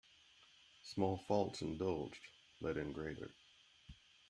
Small faults indulged let in greater.